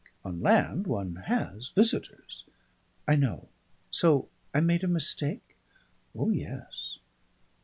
On land one has visitors " "I know. So I made a mistake?" "Oh yes."